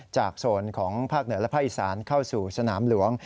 โซนของภาคเหนือและภาคอีสานเข้าสู่สนามหลวง